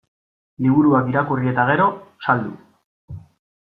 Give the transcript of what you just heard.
Liburuak irakurri eta gero, saldu.